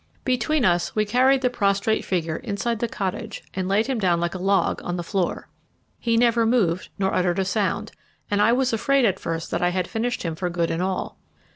Between us we carried the prostrate figure inside the cottage and laid him down like a log on the floor. He never moved nor uttered a sound, and I was afraid at first that I had finished him for good and all.